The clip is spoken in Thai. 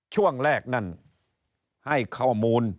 ช่วงแรกนั้นให้ข้อมูล